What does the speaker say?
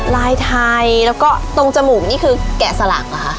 ลายไทยแล้วก็ตรงจมูกนี่คือแกะสลักเหรอคะ